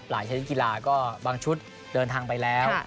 ชนิดกีฬาก็บางชุดเดินทางไปแล้ว